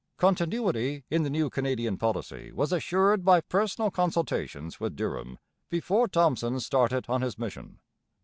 Continuity in the new Canadian policy was assured by personal consultations with Durham before Thomson started on his mission.